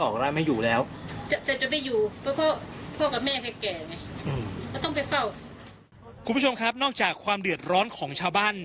คุณผู้ชมครับนอกจากความเดือดร้อนของชาวบ้าน